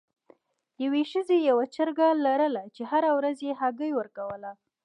یوې ښځې یوه چرګه لرله چې هره ورځ یې هګۍ ورکوله.